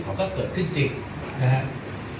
มันก็เกิดขึ้นจริงนะครับ